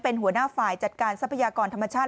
เป็นหัวหน้าฝ่ายจัดการทรัพยากรธรรมชาติ